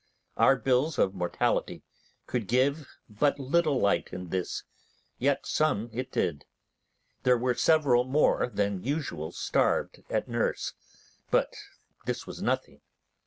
Our bills of mortality could give but little light in this, yet some it did. There were several more than usual starved at nurse, but this was nothing.